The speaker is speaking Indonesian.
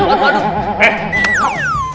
aduh aduh aduh